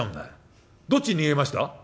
どっちに逃げました？」。